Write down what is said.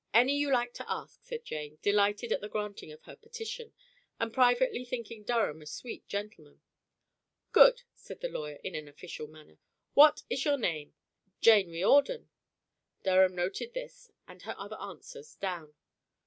Any you like to ask," said Jane, delighted at the granting of her petition, and privately thinking Durham a sweet gentleman. "Good!" said the lawyer in an official manner. "What is your name?" "Jane Riordan." Durham noted this and her other answers down.